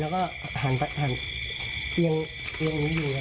แล้วก็หันเตียงนี้วิ่ง